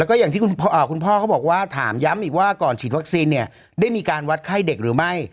แล้วก็อย่างที่คุณพ่อเขาบอกว่าถามย้ำอีกว่าก่อนฉีดวัคซีนเนี่ยได้มีการวัดไข้เด็กหรือไม่